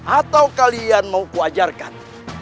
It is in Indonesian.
atau kalian mau kuajarkan